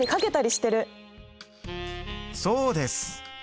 そうです。